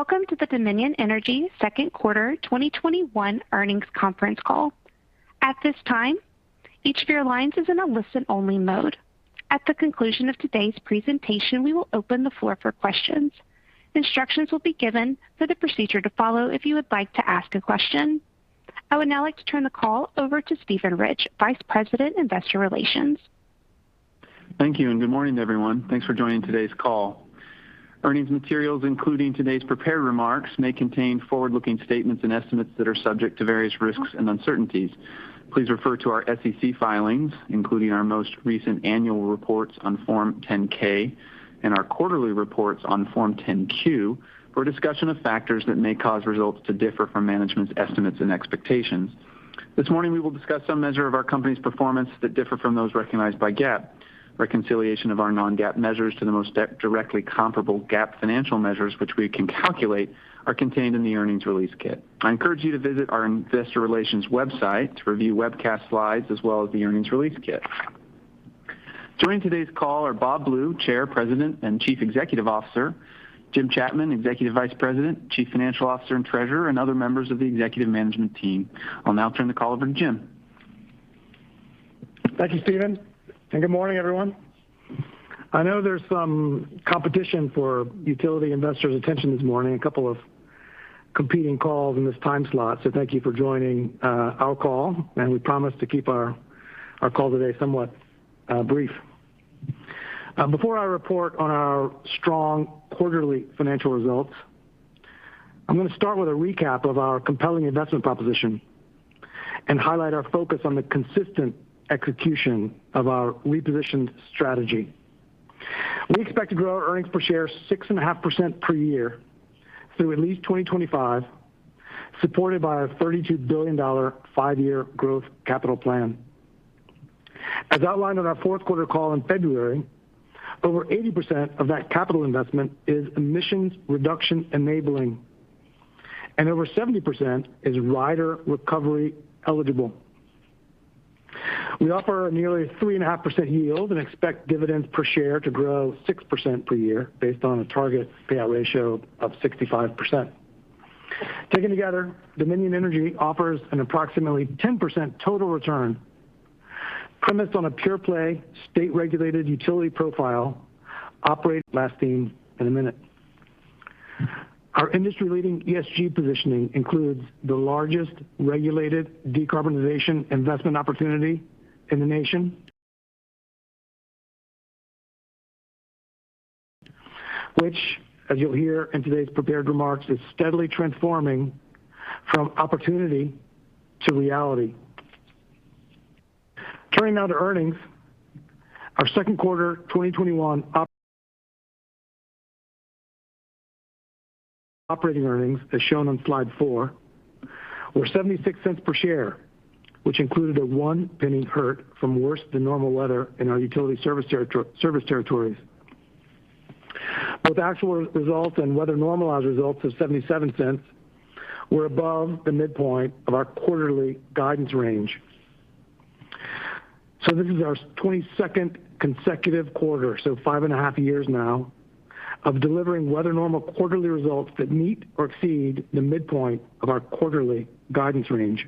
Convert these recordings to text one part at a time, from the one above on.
Welcome to the Dominion Energy second quarter 2021 earnings conference call. At this time, each of your lines is in a listen-only mode. At the conclusion of today's presentation, we will open the floor for questions. Instructions will be given for the procedure to follow if you would like to ask a question. I would now like to turn the call over to Steven Ridge, Vice President, Investor Relations. Thank you. Good morning, everyone. Thanks for joining today's call. Earnings materials, including today's prepared remarks, may contain forward-looking statements and estimates that are subject to various risks and uncertainties. Please refer to our SEC filings, including our most recent annual reports on Form 10-K and our quarterly reports on Form 10-Q, for a discussion of factors that may cause results to differ from management's estimates and expectations. This morning, we will discuss some measures of our company's performance that differ from those recognized by GAAP. Reconciliation of our non-GAAP measures to the most directly comparable GAAP financial measures which we can calculate are contained in the earnings release kit. I encourage you to visit our investor relations website to review webcast slides as well as the earnings release kit. Joining today's call are Bob Blue, Chair, President, and Chief Executive Officer, Jim Chapman, Executive Vice President, Chief Financial Officer, and Treasurer, and other members of the executive management team. I'll now turn the call over to Jim. Thank you, Steven, and good morning, everyone. I know there's some competition for utility investors' attention this morning, a couple of competing calls in this time slot. Thank you for joining our call. We promise to keep our call today somewhat brief. Before I report on our strong quarterly financial results, I'm going to start with a recap of our compelling investment proposition and highlight our focus on the consistent execution of our repositioned strategy. We expect to grow our earnings per share 6.5% per year through at least 2025, supported by our $32 billion five-year growth capital plan. As outlined on our fourth quarter call in February, over 80% of that capital investment is emissions reduction enabling. Over 70% is rider recovery eligible. We offer a nearly 3.5% yield and expect dividends per share to grow 6% per year based on a target payout ratio of 65%. Taken together, Dominion Energy offers an approximately 10% total return premised on a pure-play, state-regulated utility profile operating lasting in a minute. Our industry-leading ESG positioning includes the largest regulated decarbonization investment opportunity in the nation. Which, as you'll hear in today's prepared remarks, is steadily transforming from opportunity to reality. Turning now to earnings, our second quarter 2021 operating earnings, as shown on slide four, were $0.76 per share, which included a $0.01 hurt from worse-than-normal weather in our utility service territories. Both actual results and weather-normalized results of $0.77 were above the midpoint of our quarterly guidance range. This is our 22nd consecutive quarter, five and a half years now, of delivering weather normal quarterly results that meet or exceed the midpoint of our quarterly guidance range.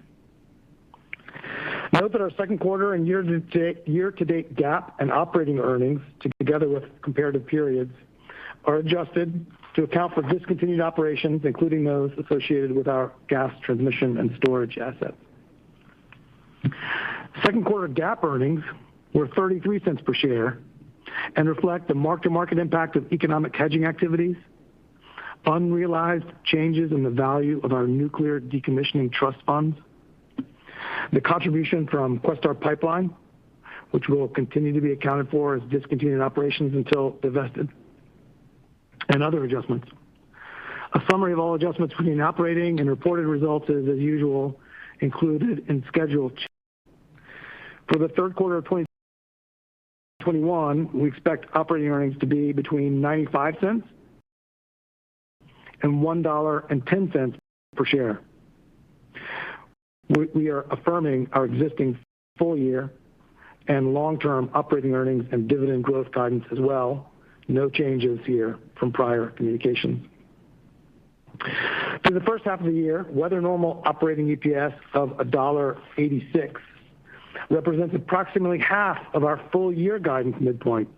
Note that our second quarter and year-to-date GAAP and operating earnings, together with comparative periods, are adjusted to account for discontinued operations, including those associated with our gas transmission and storage assets. Second quarter GAAP earnings were $0.33 per share and reflect the mark-to-market impact of economic hedging activities, unrealized changes in the value of our nuclear decommissioning trust funds, the contribution from Questar Pipeline, which will continue to be accounted for as discontinued operations until divested, and other adjustments. A summary of all adjustments between operating and reported results is, as usual, included in Schedule 2. For the third quarter of 2021, we expect operating earnings to be between $0.95 and $1.10 per share. We are affirming our existing full-year and long-term operating earnings and dividend growth guidance as well. No changes here from prior communications. Through the first half of the year, weather-normal operating EPS of $1.86 represents approximately half of our full-year guidance midpoint,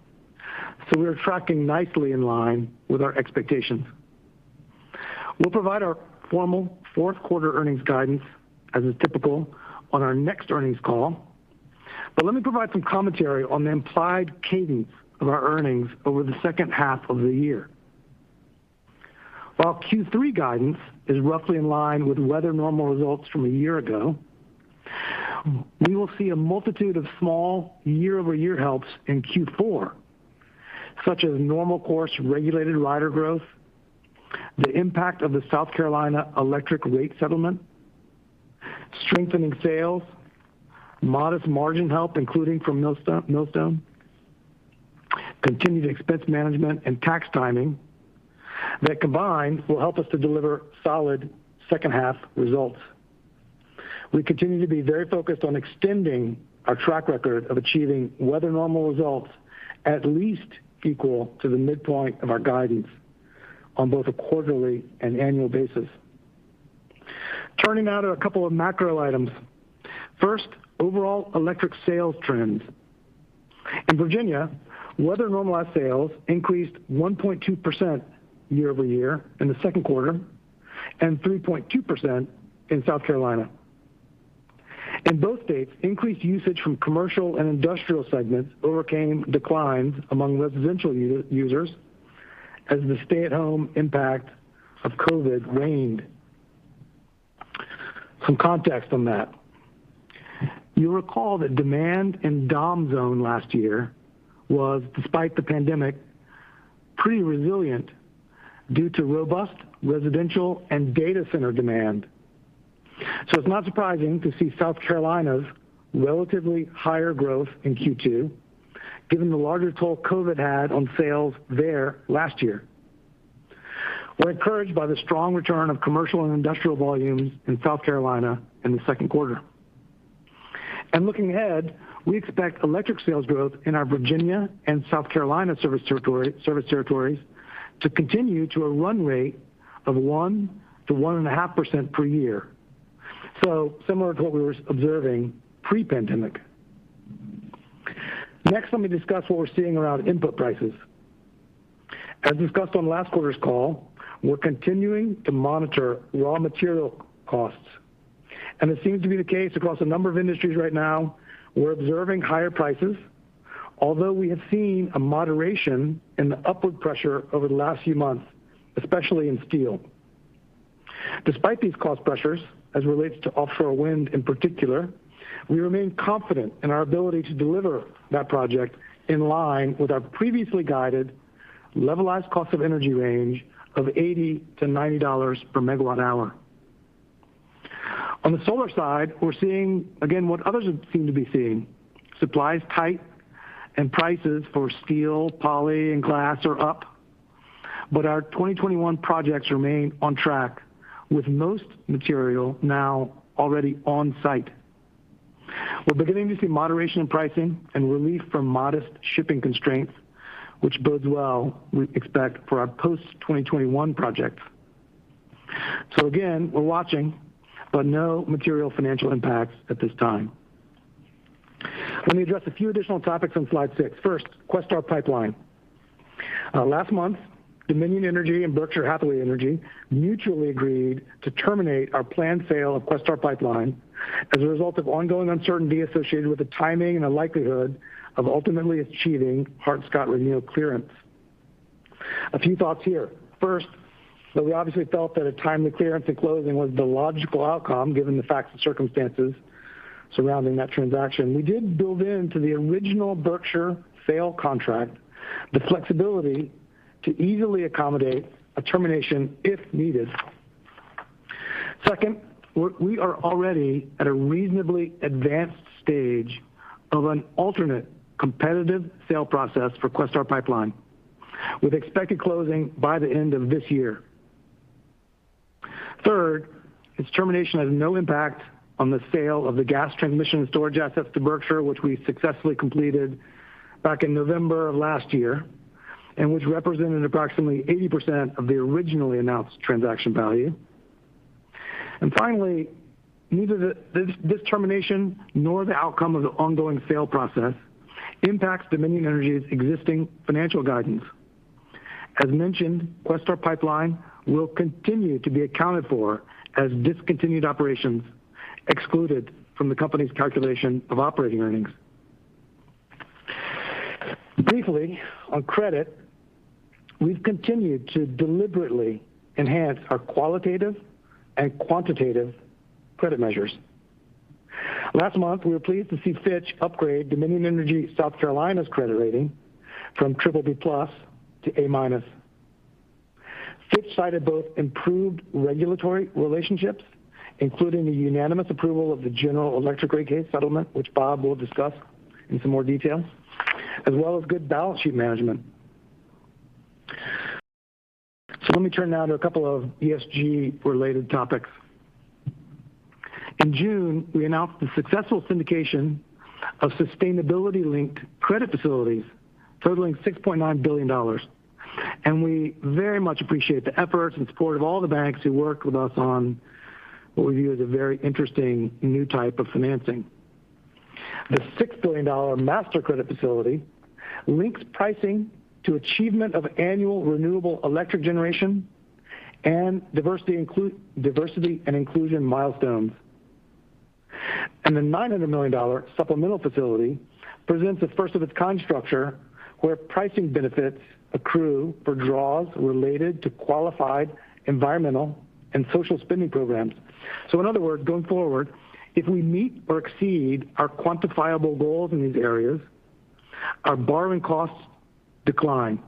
so we are tracking nicely in line with our expectations. We'll provide our formal fourth quarter earnings guidance, as is typical, on our next earnings call. Let me provide some commentary on the implied cadence of our earnings over the second half of the year. While Q3 guidance is roughly in line with weather-normal results from a year ago, we will see a multitude of small year-over-year helps in Q4, such as normal course regulated rider growth, the impact of the South Carolina electric rate settlement, strengthening sales, modest margin help, including from Millstone, continued expense management, and tax timing that combined will help us to deliver solid second-half results. We continue to be very focused on extending our track record of achieving weather-normal results, at least equal to the midpoint of our guidance on both a quarterly and annual basis. Turning now to a couple of macro items. First, overall electric sales trends. In Virginia, weather-normalized sales increased 1.2% year-over-year in the second quarter and 3.2% in South Carolina. In both states, increased usage from commercial and industrial segments overcame declines among residential users, as the stay-at-home impact of COVID waned. Some context on that. You'll recall that demand in DOM Zone last year was, despite the pandemic, pretty resilient due to robust residential and data center demand. It's not surprising to see South Carolina's relatively higher growth in Q2 given the larger toll COVID had on sales there last year. We're encouraged by the strong return of commercial and industrial volumes in South Carolina in the second quarter. Looking ahead, we expect electric sales growth in our Virginia and South Carolina service territories to continue to a run rate of 1%-1.5% per year, so similar to what we were observing pre-pandemic. Next, let me discuss what we're seeing around input prices. As discussed on last quarter's call, we're continuing to monitor raw material costs. It seems to be the case across a number of industries right now, we're observing higher prices, although we have seen a moderation in the upward pressure over the last few months, especially in steel. Despite these cost pressures, as it relates to offshore wind in particular, we remain confident in our ability to deliver that project in line with our previously guided levelized cost of energy range of $80-$90 per megawatt hour. On the solar side, we're seeing, again, what others seem to be seeing. Supply is tight and prices for steel, poly, and glass are up. Our 2021 projects remain on track, with most material now already on site. We're beginning to see moderation in pricing and relief from modest shipping constraints, which bodes well, we expect, for our post-2021 projects. Again, we're watching, but no material financial impacts at this time. Let me address a few additional topics on slide six. First, Questar Pipeline. Last month, Dominion Energy and Berkshire Hathaway Energy mutually agreed to terminate our planned sale of Questar Pipeline as a result of ongoing uncertainty associated with the timing and the likelihood of ultimately achieving Hart-Scott-Rodino clearance. A few thoughts here. First, though we obviously felt that a timely clearance at closing was the logical outcome given the facts and circumstances surrounding that transaction, we did build into the original Berkshire sale contract the flexibility to easily accommodate a termination if needed. Second, we are already at a reasonably advanced stage of an alternate competitive sale process for Questar Pipeline, with expected closing by the end of this year. Third, its termination has no impact on the sale of the gas transmission storage assets to Berkshire, which we successfully completed back in November of last year and which represented approximately 80% of the originally announced transaction value. Finally, neither this termination nor the outcome of the ongoing sale process impacts Dominion Energy's existing financial guidance. As mentioned, Questar Pipeline will continue to be accounted for as discontinued operations excluded from the company's calculation of operating earnings. Briefly, on credit, we've continued to deliberately enhance our qualitative and quantitative credit measures. Last month, we were pleased to see Fitch upgrade Dominion Energy South Carolina's credit rating from BBB+ to A-. Fitch cited both improved regulatory relationships, including the unanimous approval of the general electric rate case settlement, which Bob will discuss in some more detail, as well as good balance sheet management. Let me turn now to a couple of ESG-related topics. In June, we announced the successful syndication of sustainability-linked credit facilities totaling $6.9 billion. We very much appreciate the efforts and support of all the banks who worked with us on what we view as a very interesting new type of financing. The $6 billion master credit facility links pricing to achievement of annual renewable electric generation and diversity and inclusion milestones. The $900 million supplemental facility presents a first-of-its-kind structure where pricing benefits accrue for draws related to qualified environmental and social spending programs. In other words, going forward, if we meet or exceed our quantifiable goals in these areas, our borrowing costs decline.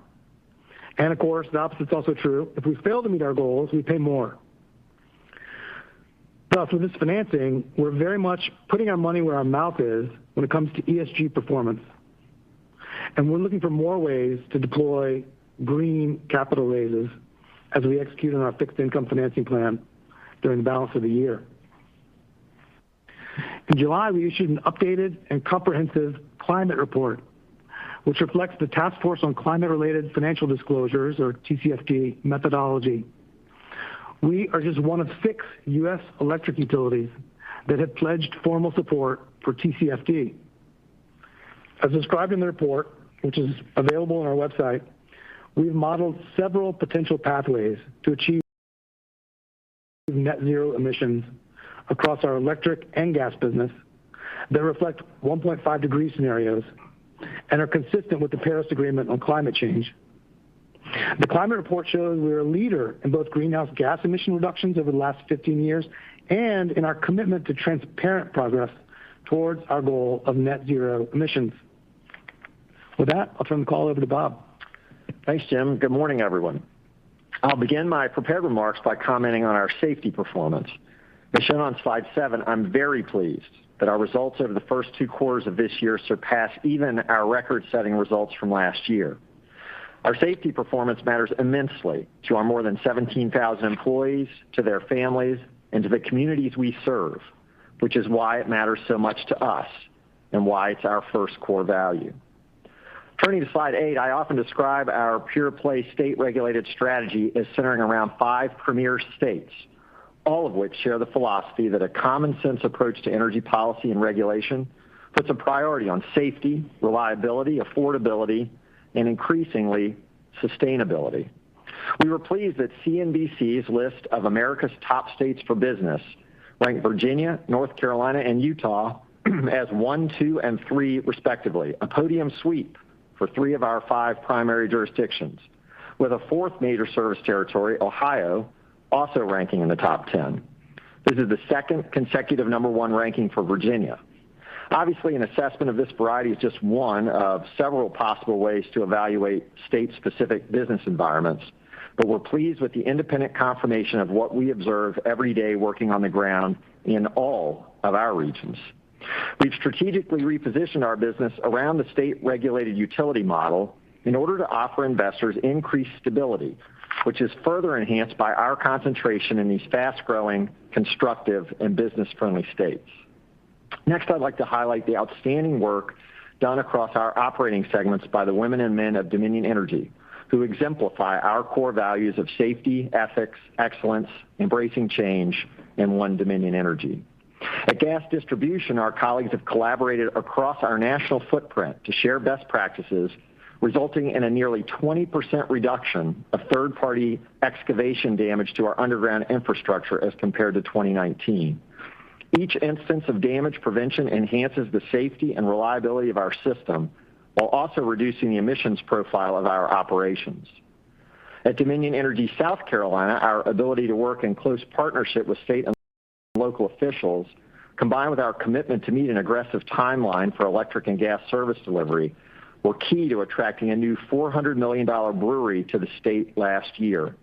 Of course, the opposite's also true. If we fail to meet our goals, we pay more. With this financing, we're very much putting our money where our mouth is when it comes to ESG performance. We're looking for more ways to deploy green capital raises as we execute on our fixed income financing plan during the balance of the year. In July, we issued an updated and comprehensive climate report, which reflects the Task Force on Climate-related Financial Disclosures, or TCFD, methodology. We are just one of six U.S. electric utilities that have pledged formal support for TCFD. As described in the report, which is available on our website, we've modeled several potential pathways to achieve net zero emissions across our electric and gas business that reflect 1.5-degree scenarios and are consistent with the Paris Agreement on climate change. The climate report shows we are a leader in both greenhouse gas emission reductions over the last 15 years and in our commitment to transparent progress towards our goal of net zero emissions. With that, I'll turn the call over to Bob. Thanks, Jim. Good morning, everyone. I'll begin my prepared remarks by commenting on our safety performance. As shown on slide seven, I'm very pleased that our results over the first two quarters of this year surpass even our record-setting results from last year. Our safety performance matters immensely to our more than 17,000 employees, to their families, and to the communities we serve, which is why it matters so much to us and why it's our first core value. Turning to slide eight, I often describe our pure-play, state-regulated strategy as centering around five premier states, all of which share the philosophy that a common-sense approach to energy policy and regulation puts a priority on safety, reliability, affordability, and increasingly, sustainability. We were pleased that CNBC's list of America's top states for business ranked Virginia, North Carolina, and Utah as one, two, and three respectively. A podium sweep for three of our five primary jurisdictions, with a fourth major service territory, Ohio, also ranking in the top 10. This is the second consecutive number one ranking for Virginia. Obviously, an assessment of this variety is just one of several possible ways to evaluate state-specific business environments. We're pleased with the independent confirmation of what we observe every day working on the ground in all of our regions. We've strategically repositioned our business around the state-regulated utility model in order to offer investors increased stability, which is further enhanced by our concentration in these fast-growing, constructive, and business-friendly states. Next, I'd like to highlight the outstanding work done across our operating segments by the women and men of Dominion Energy, who exemplify our core values of safety, ethics, excellence, embracing change, and one Dominion Energy. At gas distribution, our colleagues have collaborated across our national footprint to share best practices, resulting in a nearly 20% reduction of third-party excavation damage to our underground infrastructure as compared to 2019. Each instance of damage prevention enhances the safety and reliability of our system while also reducing the emissions profile of our operations. At Dominion Energy South Carolina, our ability to work in close partnership with state and local officials, combined with our commitment to meet an aggressive timeline for electric and gas service delivery, were key to attracting a new $400 million brewery to the state last year.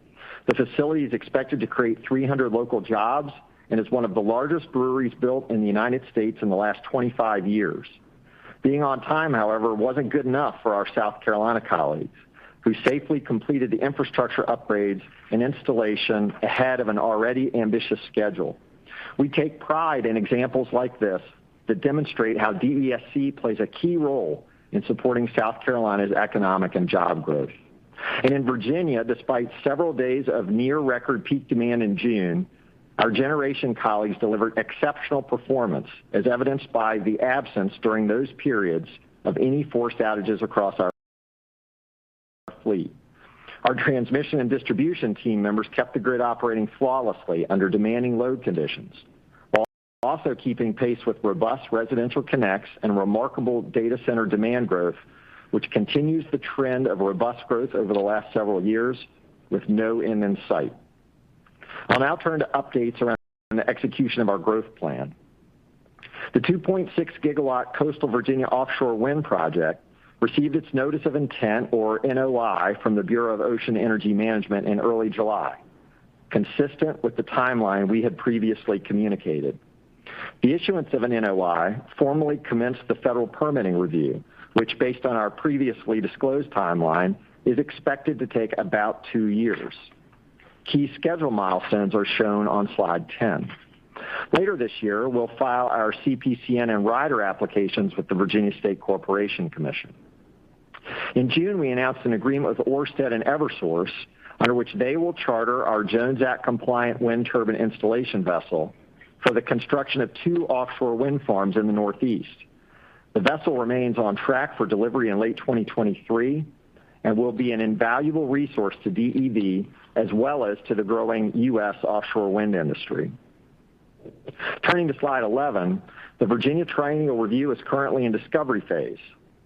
The facility is expected to create 300 local jobs and is one of the largest breweries built in the United States in the last 25 years. Being on time, however, wasn't good enough for our South Carolina colleagues, who safely completed the infrastructure upgrades and installation ahead of an already ambitious schedule. We take pride in examples like this that demonstrate how DESC plays a key role in supporting South Carolina's economic and job growth. In Virginia, despite several days of near record peak demand in June, our generation colleagues delivered exceptional performance, as evidenced by the absence during those periods of any forced outages across our fleet. Our transmission and distribution team members kept the grid operating flawlessly under demanding load conditions while also keeping pace with robust residential connects and remarkable data center demand growth, which continues the trend of robust growth over the last several years with no end in sight. I'll now turn to updates around the execution of our growth plan. The 2.6 GW Coastal Virginia Offshore Wind project received its notice of intent, or NOI, from the Bureau of Ocean Energy Management in early July, consistent with the timeline we had previously communicated. The issuance of an NOI formally commenced the federal permitting review, which, based on our previously disclosed timeline, is expected to take about two years. Key schedule milestones are shown on slide 10. Later this year, we'll file our CPCN and rider applications with the Virginia State Corporation Commission. In June, we announced an agreement with Ørsted and Eversource under which they will charter our Jones Act-compliant wind turbine installation vessel for the construction of two offshore wind farms in the Northeast. The vessel remains on track for delivery in late 2023 and will be an invaluable resource to DEV as well as to the growing U.S. offshore wind industry. Turning to slide 11, the Virginia triennial review is currently in discovery phase,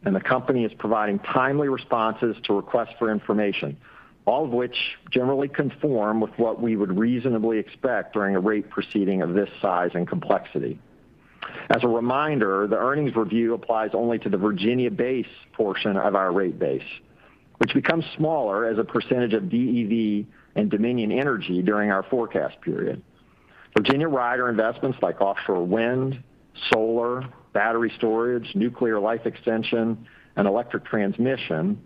and the company is providing timely responses to requests for information, all of which generally conform with what we would reasonably expect during a rate proceeding of this size and complexity. As a reminder, the earnings review applies only to the Virginia base portion of our rate base. Which becomes smaller as a percentage of DEV and Dominion Energy during our forecast period. Virginia rider investments like offshore wind, solar, battery storage, nuclear life extension, and electric transmission,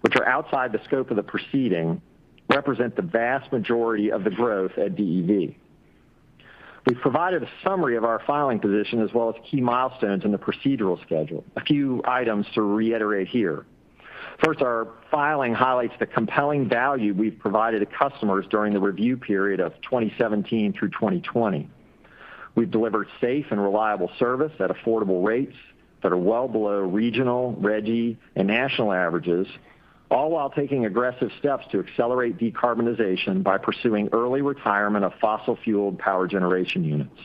which are outside the scope of the proceeding, represent the vast majority of the growth at DEV. We've provided a summary of our filing position as well as key milestones in the procedural schedule. A few items to reiterate here. First, our filing highlights the compelling value we've provided to customers during the review period of 2017 through 2020. We've delivered safe and reliable service at affordable rates that are well below regional, RGGI, and national averages, all while taking aggressive steps to accelerate decarbonization by pursuing early retirement of fossil-fueled power generation units.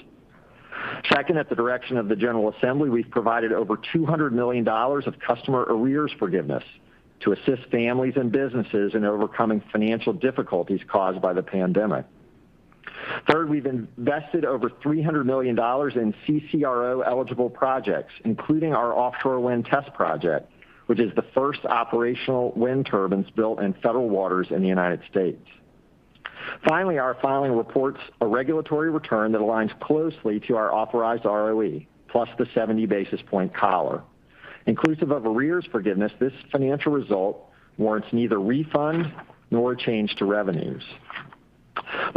Second, at the direction of the General Assembly, we've provided over $200 million of customer arrears forgiveness to assist families and businesses in overcoming financial difficulties caused by the pandemic. Third, we've invested over $300 million in CCRO-eligible projects, including our offshore wind test project, which is the first operational wind turbines built in federal waters in the United States. Finally, our filing reports a regulatory return that aligns closely to our authorized ROE, plus the 70 basis point collar. Inclusive of arrears forgiveness, this financial result warrants neither refund nor a change to revenues.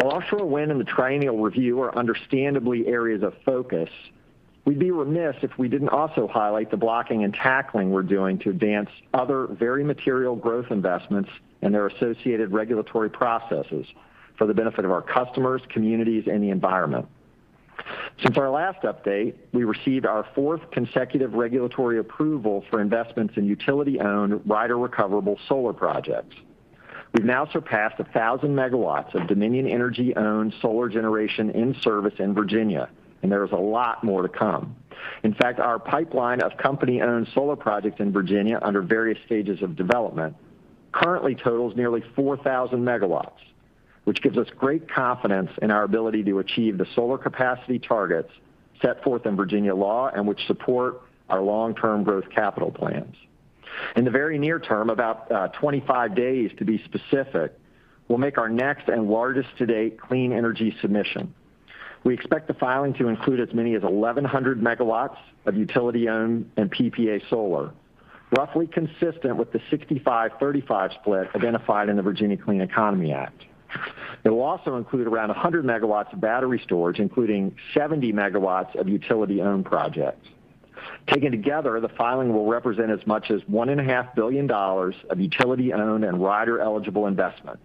While offshore wind and the triennial review are understandably areas of focus, we'd be remiss if we didn't also highlight the blocking and tackling we're doing to advance other very material growth investments and their associated regulatory processes for the benefit of our customers, communities, and the environment. Since our last update, we received our fourth consecutive regulatory approval for investments in utility-owned, rider-recoverable solar projects. We've now surpassed 1,000 MW of Dominion Energy-owned solar generation in service in Virginia, and there is a lot more to come. In fact, our pipeline of company-owned solar projects in Virginia under various stages of development currently totals nearly 4,000 MW, which gives us great confidence in our ability to achieve the solar capacity targets set forth in Virginia law and which support our long-term growth capital plans. In the very near term, about 25 days to be specific, we'll make our next and largest to date clean energy submission. We expect the filing to include as many as 1,100 MW of utility-owned and PPA solar, roughly consistent with the 65/35 split identified in the Virginia Clean Economy Act. It will also include around 100 MW of battery storage, including 70 MW of utility-owned projects. Taken together, the filing will represent as much as $1.5 billion of utility-owned and rider-eligible investment,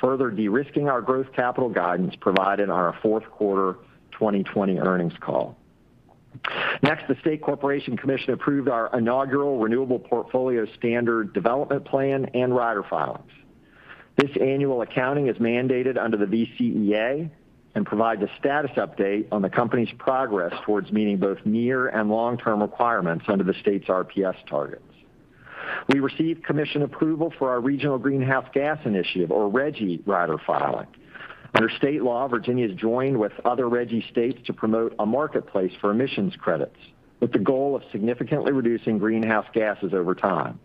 further de-risking our growth capital guidance provided on our fourth quarter 2020 earnings call. The State Corporation Commission approved our inaugural renewable portfolio standard development plan and rider filings. This annual accounting is mandated under the VCEA and provides a status update on the company's progress towards meeting both near and long-term requirements under the state's RPS targets. We received commission approval for our Regional Greenhouse Gas Initiative, or RGGI, rider filing. Under state law, Virginia has joined with other RGGI states to promote a marketplace for emissions credits, with the goal of significantly reducing greenhouse gases over time.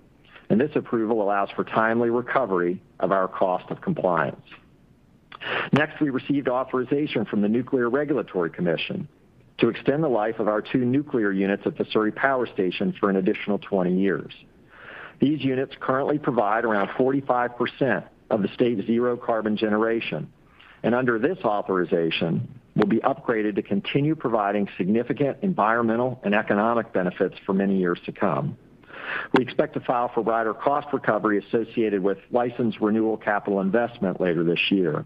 This approval allows for timely recovery of our cost of compliance. Next, we received authorization from the Nuclear Regulatory Commission to extend the life of our two nuclear units at the Surry Power Station for an additional 20 years. These units currently provide around 45% of the state's zero carbon generation, and under this authorization, will be upgraded to continue providing significant environmental and economic benefits for many years to come. We expect to file for rider cost recovery associated with license renewal capital investment later this year.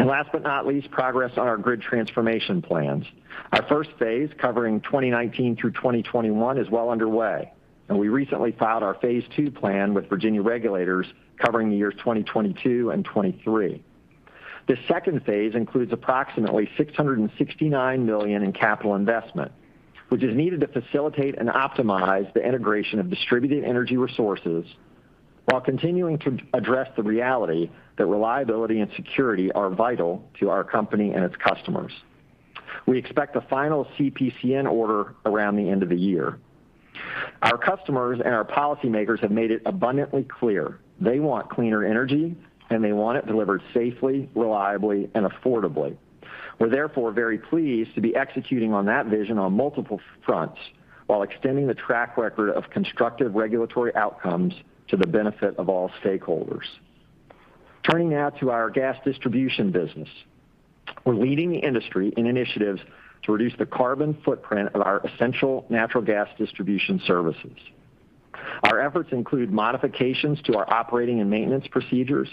Last but not least, progress on our grid transformation plans. Our first phase, covering 2019 through 2021, is well underway, and we recently filed our phase two plan with Virginia regulators covering the years 2022 and 2023. This second phase includes approximately $669 million in capital investment, which is needed to facilitate and optimize the integration of distributed energy resources while continuing to address the reality that reliability and security are vital to our company and its customers. We expect the final CPCN order around the end of the year. Our customers and our policymakers have made it abundantly clear they want cleaner energy, and they want it delivered safely, reliably, and affordably. We're therefore very pleased to be executing on that vision on multiple fronts while extending the track record of constructive regulatory outcomes to the benefit of all stakeholders. Turning now to our gas distribution business. We're leading the industry in initiatives to reduce the carbon footprint of our essential natural gas distribution services. Our efforts include modifications to our operating and maintenance procedures,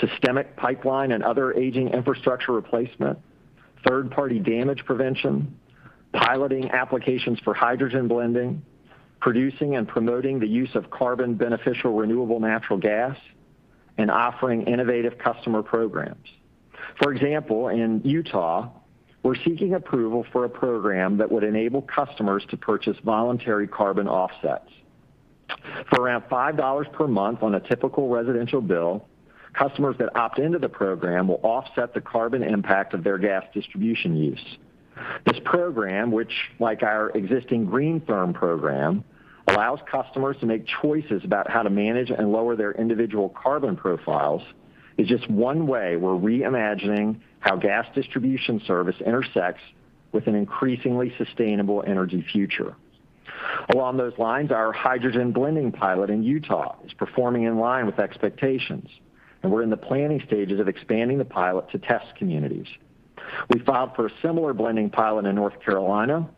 systemic pipeline and other aging infrastructure replacement, third-party damage prevention, piloting applications for hydrogen blending, producing and promoting the use of carbon beneficial renewable natural gas, and offering innovative customer programs. For example, in Utah, we're seeking approval for a program that would enable customers to purchase voluntary carbon offsets. For around $5 per month on a typical residential bill, customers that opt into the program will offset the carbon impact of their gas distribution use. This program, which like our existing GreenTherm program, allows customers to make choices about how to manage and lower their individual carbon profiles, is just one way we're reimagining how gas distribution service intersects with an increasingly sustainable energy future. Along those lines, our hydrogen blending pilot in Utah is performing in line with expectations, and we're in the planning stages of expanding the pilot to test communities. We filed for a similar blending pilot in North Carolina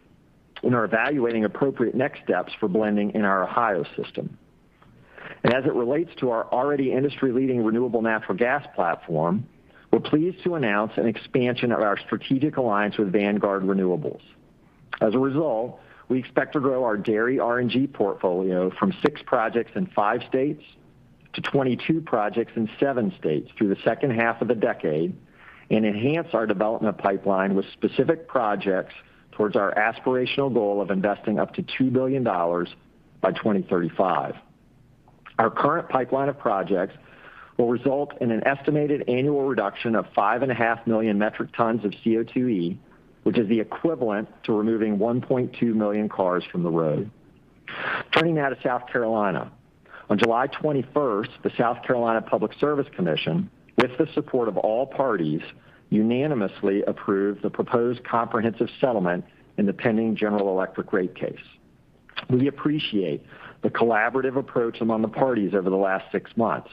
and are evaluating appropriate next steps for blending in our Ohio system. As it relates to our already industry-leading renewable natural gas platform, we're pleased to announce an expansion of our strategic alliance with Vanguard Renewables. As a result, we expect to grow our dairy RNG portfolio from six projects in five states to 22 projects in seven states through the second half of the decade, and enhance our development pipeline with specific projects towards our aspirational goal of investing up to $2 billion by 2035. Our current pipeline of projects will result in an estimated annual reduction of 5.5 million metric tons of CO2e, which is the equivalent to removing 1.2 million cars from the road. Turning now to South Carolina. On July 21st, the South Carolina Public Service Commission, with the support of all parties, unanimously approved the proposed comprehensive settlement in the pending general electric rate case. We appreciate the collaborative approach among the parties over the last six months,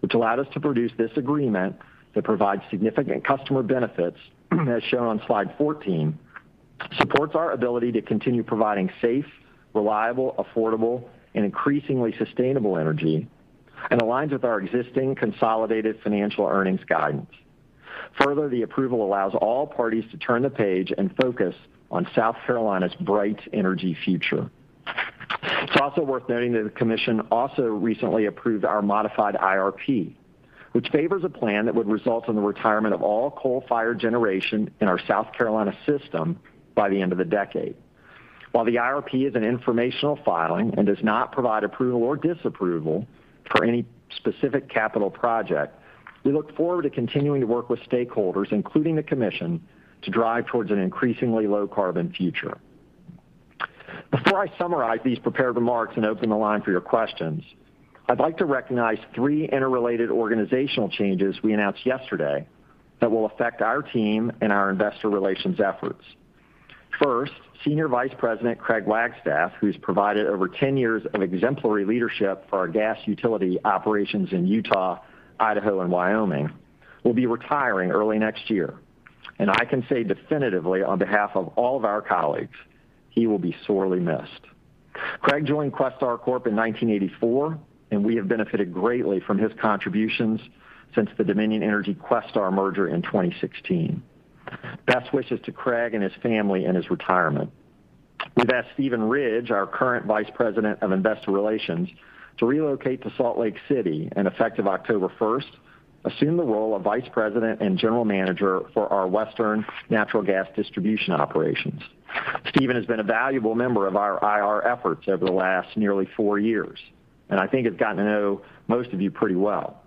which allowed us to produce this agreement that provides significant customer benefits, as shown on slide 14, supports our ability to continue providing safe, reliable, affordable, and increasingly sustainable energy, and aligns with our existing consolidated financial earnings guidance. Further, the approval allows all parties to turn the page and focus on South Carolina's bright energy future. It's also worth noting that the commission also recently approved our modified IRP, which favors a plan that would result in the retirement of all coal-fired generation in our South Carolina system by the end of the decade. While the IRP is an informational filing and does not provide approval or disapproval for any specific capital project, we look forward to continuing to work with stakeholders, including the commission, to drive towards an increasingly low-carbon future. Before I summarize these prepared remarks and open the line for your questions, I'd like to recognize three interrelated organizational changes we announced yesterday that will affect our team and our investor relations efforts. First, Senior Vice President Craig Wagstaff, who's provided over 10 years of exemplary leadership for our gas utility operations in Utah, Idaho, and Wyoming, will be retiring early next year. I can say definitively on behalf of all of our colleagues, he will be sorely missed. Craig joined Questar Corp in 1984, and we have benefited greatly from his contributions since the Dominion Energy Questar merger in 2016. Best wishes to Craig and his family in his retirement. We've asked Steven Ridge, our current Vice President of Investor Relations, to relocate to Salt Lake City, and effective October 1st, assume the role of Vice President and General Manager for our Western natural gas distribution operations. Steven has been a valuable member of our IR efforts over the last nearly four years, and I think has gotten to know most of you pretty well.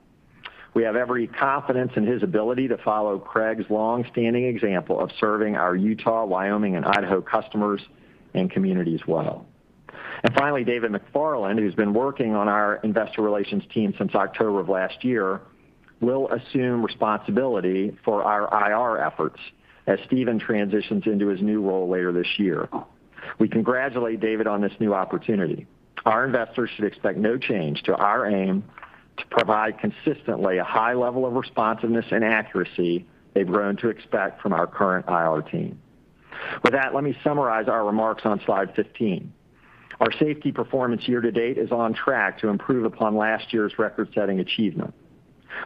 We have every confidence in his ability to follow Craig's long-standing example of serving our Utah, Wyoming, and Idaho customers and communities well. Finally, David McFarland, who's been working on our investor relations team since October of last year, will assume responsibility for our IR efforts as Steven transitions into his new role later this year. We congratulate David on this new opportunity. Our investors should expect no change to our aim to provide consistently a high level of responsiveness and accuracy they've grown to expect from our current IR team. With that, let me summarize our remarks on slide 15. Our safety performance year-to-date is on track to improve upon last year's record-setting achievement.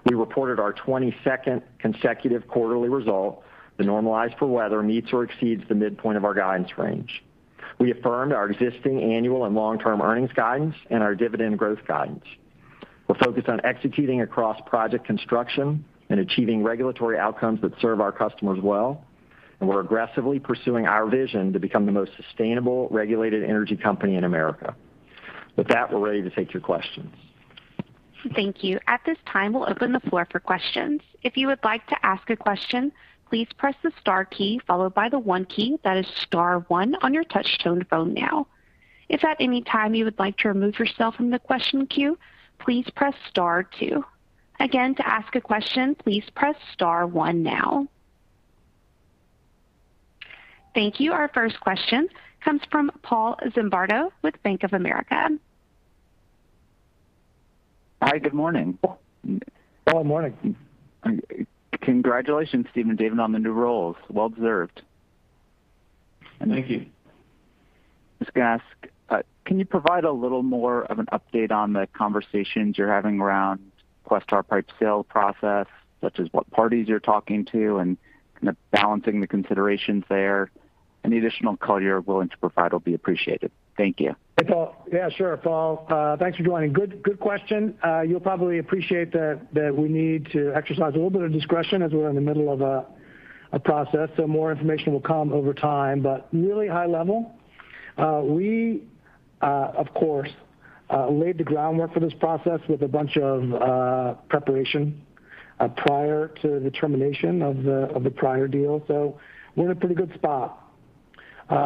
We reported our 22nd consecutive quarterly result that normalized for weather meets or exceeds the midpoint of our guidance range. We affirmed our existing annual and long-term earnings guidance and our dividend growth guidance. We're focused on executing across project construction and achieving regulatory outcomes that serve our customers well, and we're aggressively pursuing our vision to become the most sustainable regulated energy company in America. With that, we're ready to take your questions. Thank you. At this time, we will open the floor for questions. If you would like to ask a question, please press the star key followed by the one key, that is, star one on your touch-tone phone now. If at any time you would like to remove yourself from the question queue, please press star two. Again to ask a question, please press star one now. Thank you. Our first question comes from Paul Zimbardo with Bank of America. Hi, good morning. Paul, morning. Congratulations, Steven and David, on the new roles. Well deserved. Thank you. Just going to ask, can you provide a little more of an update on the conversations you're having around Questar Pipe sale process, such as what parties you're talking to and kind of balancing the considerations there? Any additional color you're willing to provide will be appreciated. Thank you. Hey, Paul. Yeah, sure, Paul. Thanks for joining. Good question. You'll probably appreciate that we need to exercise a little bit of discretion as we're in the middle of a process, so more information will come over time. But really high level, we, of course, laid the groundwork for this process with a bunch of preparation prior to the termination of the prior deal. We're in a pretty good spot.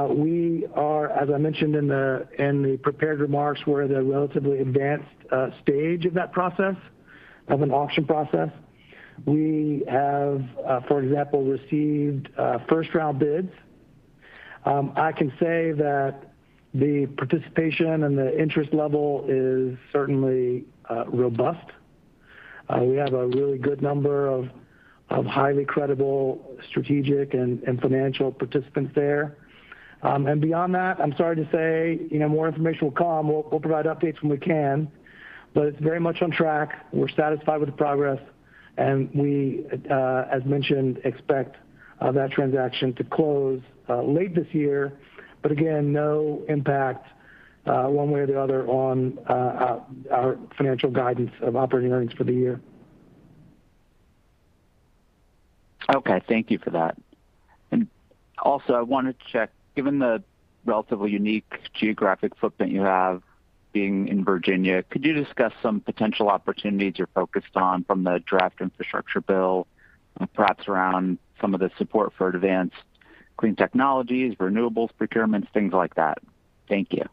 We are, as I mentioned in the prepared remarks, we're at a relatively advanced stage of that process, of an auction process. We have, for example, received first-round bids. I can say that the participation and the interest level is certainly robust. We have a really good number of highly credible strategic and financial participants there. Beyond that, I'm sorry to say, more information will come. We'll provide updates when we can, but it's very much on track. We're satisfied with the progress, we, as mentioned, expect that transaction to close late this year. Again, no impact one way or the other on our financial guidance of operating earnings for the year. Okay. Thank you for that. Also, I wanted to check, given the relatively unique geographic footprint you have being in Virginia, could you discuss some potential opportunities you're focused on from the Draft Infrastructure Bill, perhaps around some of the support for advanced clean technologies, renewables, procurements, things like that? Thank you.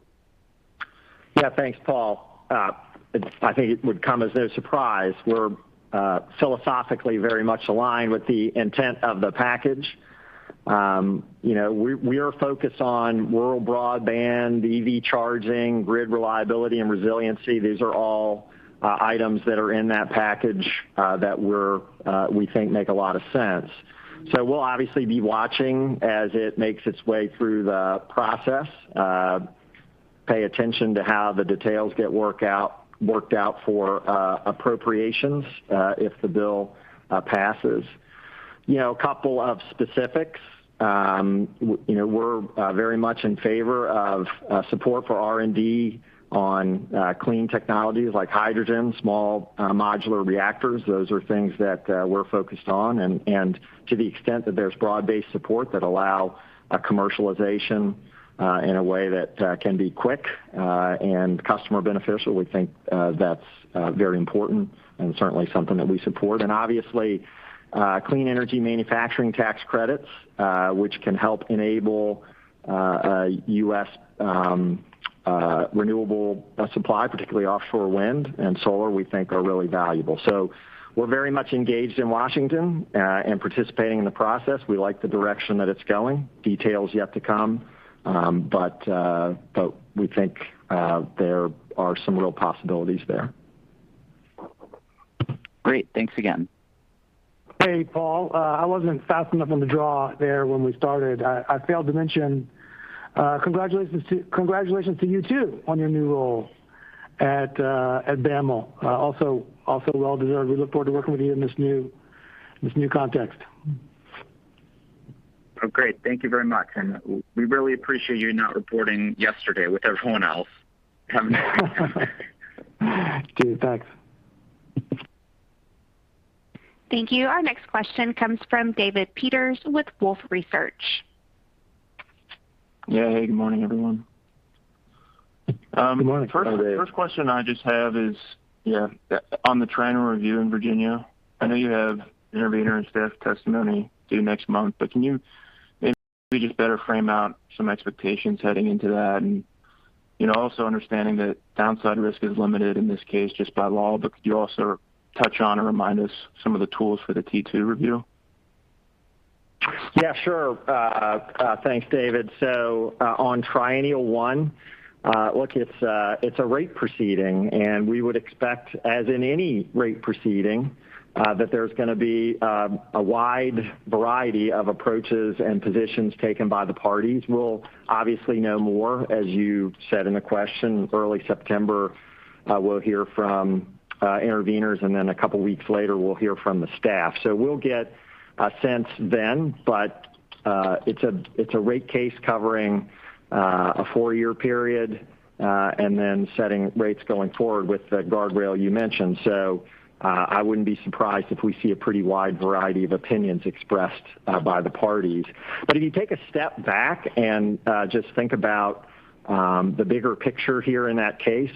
Thanks, Paul. I think it would come as no surprise. We're philosophically very much aligned with the intent of the package. We are focused on rural broadband, EV charging, grid reliability, and resiliency. These are all items that are in that package that we think make a lot of sense. We'll obviously be watching as it makes its way through the process, pay attention to how the details get worked out for appropriations if the bill passes. A couple of specifics. We're very much in favor of support for R&D on clean technologies like hydrogen, small modular reactors. Those are things that we're focused on, and to the extent that there's broad-based support that allow a commercialization in a way that can be quick and customer beneficial, we think that's very important and certainly something that we support. Obviously, clean energy manufacturing tax credits, which can help enable a U.S. renewable supply, particularly offshore wind and solar, we think are really valuable. We're very much engaged in Washington and participating in the process. We like the direction that it's going. Details yet to come. We think there are some real possibilities there. Great. Thanks again. Hey, Paul. I wasn't fast enough on the draw there when we started. I failed to mention, congratulations to you too on your new role at BAML. Also well deserved. We look forward to working with you in this new context. Oh, great. Thank you very much. We really appreciate you not reporting yesterday with everyone else coming in. Gee, thanks. Thank you. Our next question comes from David Peters with Wolfe Research. Yeah. Hey, good morning, everyone. Good morning. Hi, David. First question I just have is on the triennial review in Virginia. I know you have intervener and staff testimony due next month, but can you maybe just better frame out some expectations heading into that? Also understanding that downside risk is limited in this case just by law, but could you also touch on or remind us some of the tools for the T2 review? Yeah, sure. Thanks, David. On triennial one, look, it's a rate proceeding, and we would expect, as in any rate proceeding, that there's going to be a wide variety of approaches and positions taken by the parties. We'll obviously know more, as you said in the question. Early September, we'll hear from interveners, a couple of weeks later, we'll hear from the staff. We'll get a sense then. It's a rate case covering a four-year period, and then setting rates going forward with the guardrail you mentioned. I wouldn't be surprised if we see a pretty wide variety of opinions expressed by the parties. If you take a step back and just think about the bigger picture here in that case,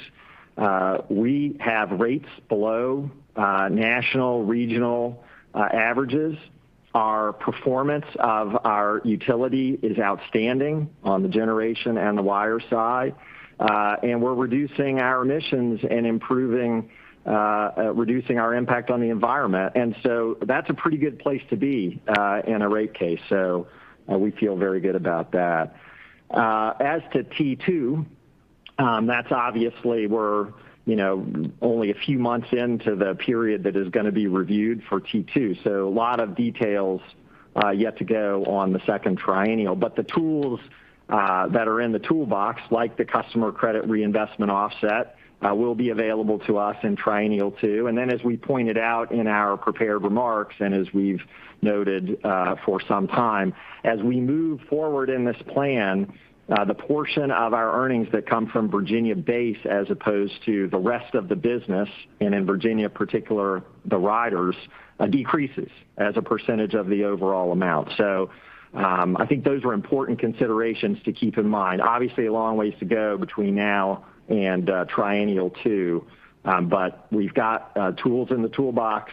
we have rates below national regional averages. Our performance of our utility is outstanding on the generation and the wire side. We're reducing our emissions and reducing our impact on the environment. That's a pretty good place to be in a rate case. We feel very good about that. As to T2, that's obviously we're only a few months into the period that is going to be reviewed for T2. A lot of details yet to go on the second triennial. The tools that are in the toolbox, like the customer credit reinvestment offset, will be available to us in triennial two. As we pointed out in our prepared remarks, and as we've noted for some time, as we move forward in this plan, the portion of our earnings that come from Virginia base as opposed to the rest of the business, and in Virginia particular, the riders, decreases as a percentage of the overall amount. I think those are important considerations to keep in mind. Obviously, a long ways to go between now and triennial two. We've got tools in the toolbox,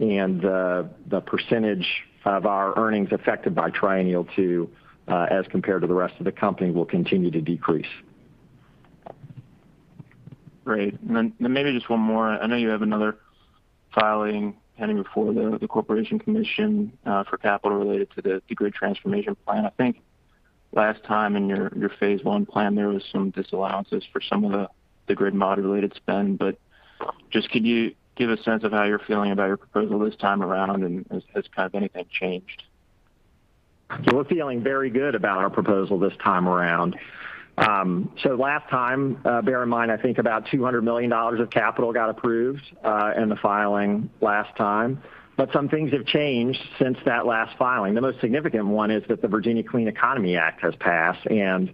and the percentage of our earnings affected by triennial two as compared to the rest of the company will continue to decrease. Great. Maybe just one more. I know you have another filing pending before the Corporation Commission for capital related to the Grid Transformation Plan. I think last time in your phase one plan, there was some disallowances for some of the grid mod-related spend. Just could you give a sense of how you're feeling about your proposal this time around, and has kind of anything changed? We're feeling very good about our proposal this time around. Last time, bear in mind, I think about $200 million of capital got approved in the filing last time. Some things have changed since that last filing. The most significant one is that the Virginia Clean Economy Act has passed, and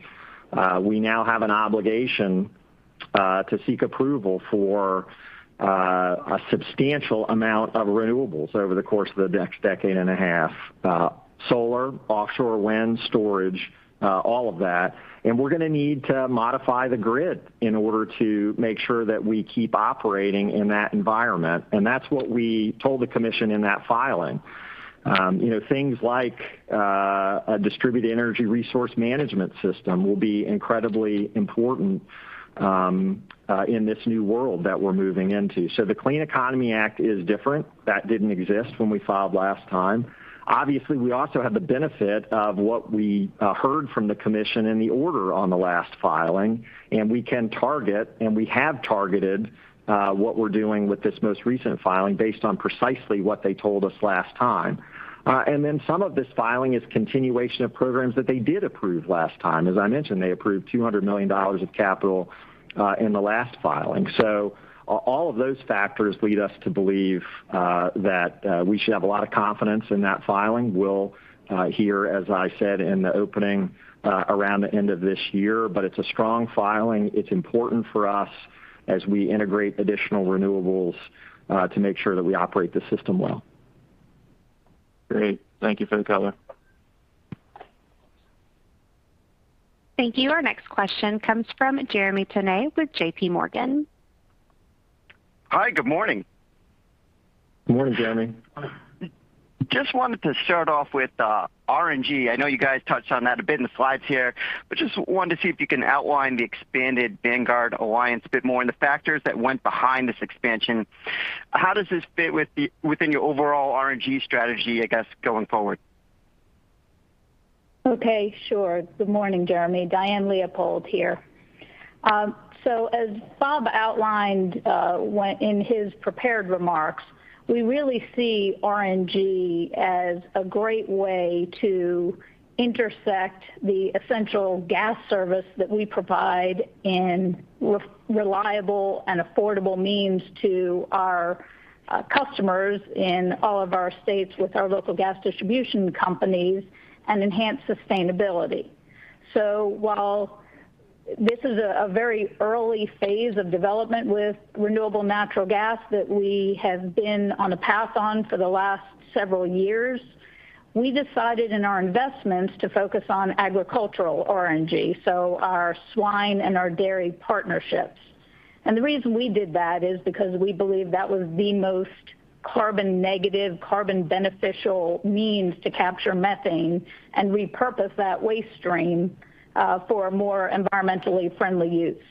we now have an obligation to seek approval for a substantial amount of renewables over the course of the next decade and a half. Solar, offshore wind, storage, all of that. We're going to need to modify the grid in order to make sure that we keep operating in that environment. That's what we told the commission in that filing. Things like a distributed energy resource management system will be incredibly important in this new world that we're moving into. The Clean Economy Act is different. That didn't exist when we filed last time. We also have the benefit of what we heard from the commission and the order on the last filing, and we can target, and we have targeted, what we're doing with this most recent filing based on precisely what they told us last time. Some of this filing is continuation of programs that they did approve last time. As I mentioned, they approved $200 million of capital in the last filing. All of those factors lead us to believe that we should have a lot of confidence in that filing. We will hear, as I said in the opening, around the end of this year. It is a strong filing. It is important for us as we integrate additional renewables to make sure that we operate the system well. Great. Thank you for the color. Thank you. Our next question comes from Jeremy Tonet with JPMorgan. Hi, good morning. Good morning, Jeremy. Just wanted to start off with RNG. I know you guys touched on that a bit in the slides here, but just wanted to see if you can outline the expanded Vanguard Alliance a bit more and the factors that went behind this expansion. How does this fit within your overall RNG strategy, I guess, going forward? Okay, sure. Good morning, Jeremy. Diane Leopold here. As Bob outlined in his prepared remarks, we really see RNG as a great way to intersect the essential gas service that we provide in reliable and affordable means to our customers in all of our states with our local gas distribution companies and enhance sustainability. While this is a very early phase of development with renewable natural gas that we have been on a path on for the last several years, we decided in our investments to focus on agricultural RNG, so our swine and our dairy partnerships. The reason we did that is because we believe that was the most carbon negative, carbon beneficial means to capture methane and repurpose that waste stream for a more environmentally friendly use.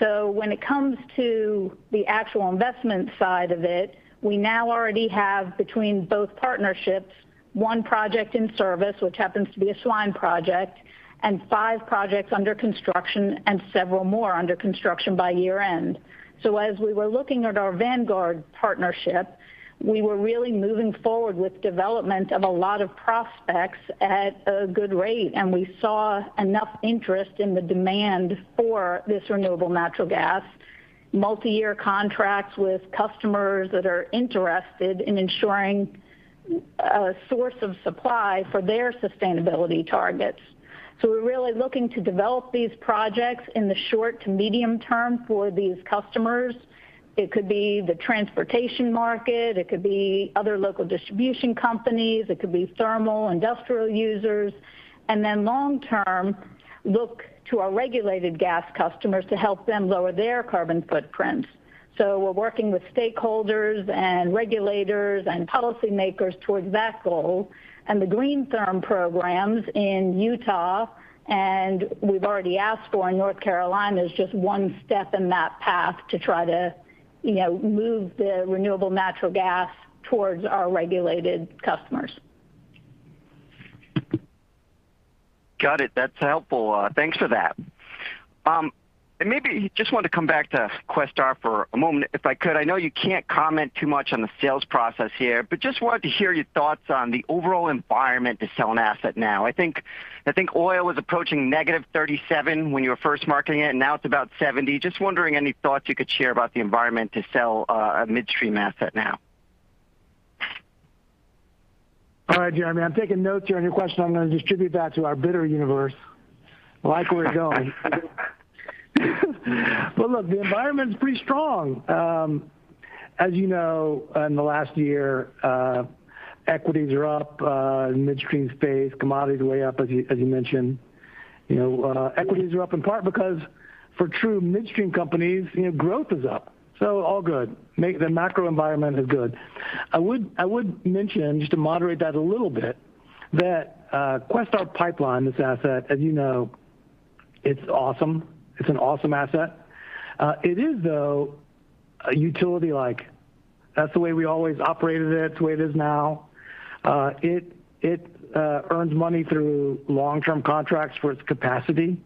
When it comes to the actual investment side of it, we now already have between both partnerships, one project in service, which happens to be a swine project, and five projects under construction and several more under construction by year-end. As we were looking at our Vanguard partnership, we were really moving forward with development of a lot of prospects at a good rate, and we saw enough interest in the demand for this renewable natural gas. Multi-year contracts with customers that are interested in ensuring a source of supply for their sustainability targets. We're really looking to develop these projects in the short to medium term for these customers. It could be the transportation market, it could be other local distribution companies, it could be thermal industrial users. Then long-term, look to our regulated gas customers to help them lower their carbon footprints. We're working with stakeholders and regulators and policy makers towards that goal. The GreenTherm programs in Utah, and we've already asked for in North Carolina, is just one step in that path to try to move the renewable natural gas towards our regulated customers. Got it. That's helpful. Thanks for that. Maybe just wanted to come back to Questar for a moment, if I could. I know you can't comment too much on the sales process here, but just wanted to hear your thoughts on the overall environment to sell an asset now. I think oil was approaching negative $37 when you were first marketing it, and now it's about $70. Just wondering any thoughts you could share about the environment to sell a midstream asset now. All right, Jeremy. I'm taking notes here on your question. I'm going to distribute that to our bidder universe. Like where you're going. Look, the environment's pretty strong. As you know, in the last year, equities are up in midstream space. Commodities are way up, as you mentioned. Equities are up in part because for true midstream companies, growth is up. All good. The macro environment is good. I would mention, just to moderate that a little bit, that Questar Pipeline, this asset, as you know, it's awesome. It's an awesome asset. It is, though, utility-like. That's the way we always operated it. It's the way it is now. It earns money through long-term contracts for its capacity.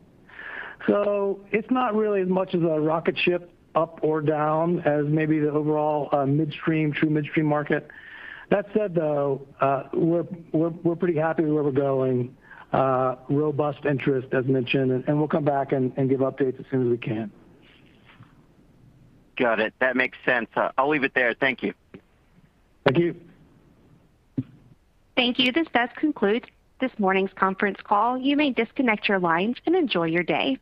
It's not really as much of a rocket ship up or down as maybe the overall midstream, true midstream market. That said, though, we're pretty happy where we're going. Robust interest, as mentioned, we'll come back and give updates as soon as we can. Got it. That makes sense. I'll leave it there. Thank you. Thank you. Thank you. This does conclude this morning's conference call. You may disconnect your lines and enjoy your day.